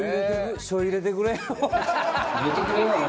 入れてくれよ。